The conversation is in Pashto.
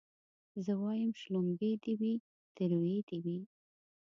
زه وايم شلومبې دي وي تروې دي وي